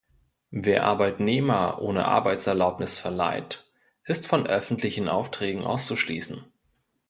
Wer Arbeitnehmer ohne Arbeitserlaubnis verleiht, ist von öffentlichen Aufträgen auszuschließen.